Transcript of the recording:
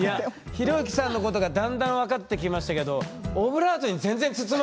いや寛之さんのことがだんだん分かってきましたけどねえ！